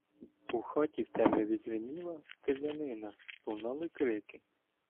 У хаті в темряві дзвеніла стрілянина, лунали крики.